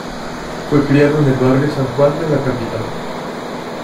Fue criado en el barrio San Juan de la capital.